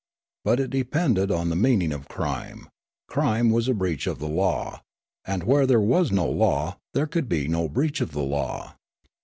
But it depended on the meaning of crime ; crime was a breach of the law; and where there was no law there could be no breach of the law.